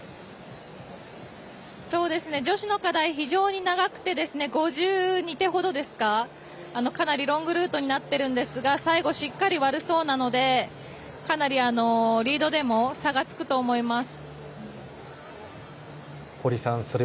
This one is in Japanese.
女子の課題、非常に長くて５２手程ですかかなりロングルートになっているんですが、最後悪そうなので、かなりリードでも差がつくと思います。